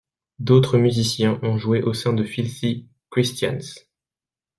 D’autres musiciens ont joué au sein de Filthy Christians.